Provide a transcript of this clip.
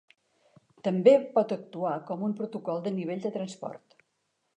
També pot actuar com un protocol de nivell de transport.